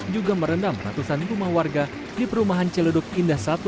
juga merendam ratusan rumah warga di perumahan celeduk indah satu